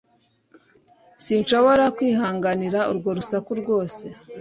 Sinshobora kwihanganira urwo rusaku rwose